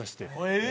えっ！